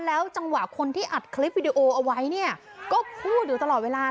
แล้วจังหวะคนที่อัดคลิปวิดีโอเอาไว้เนี่ยก็พูดอยู่ตลอดเวลา